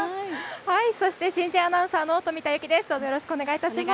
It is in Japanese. そして新人アナウンサーの冨田有紀です。